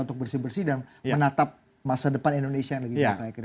untuk bersih bersih dan menatap masa depan indonesia yang lebih baik